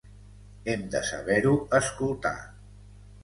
Hem de saber-ho escoltar.